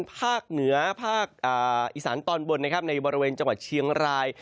ภาคเหนือภาคอีสานตอนบนนะครับในบริเวณจังหวัดเชียงราย